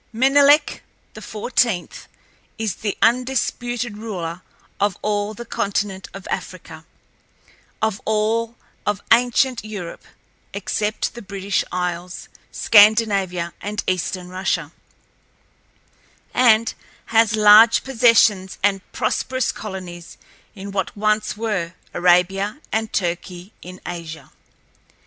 Menelek XIV is the undisputed ruler of all the continent of Africa, of all of ancient Europe except the British Isles, Scandinavia, and eastern Russia, and has large possessions and prosperous colonies in what once were Arabia and Turkey in Asia.